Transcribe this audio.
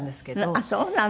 あっそうなの。